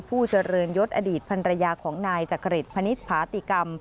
ผู้เจริญยศอดีตพันรยาของนายจักริตพนิษฐาติกรรม